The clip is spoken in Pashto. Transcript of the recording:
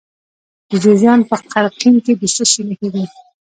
د جوزجان په قرقین کې د څه شي نښې دي؟